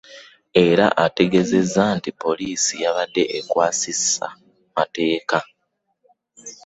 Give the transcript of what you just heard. Era nga ategeezezza nti poliisi yabadde ekwasisa mateeka.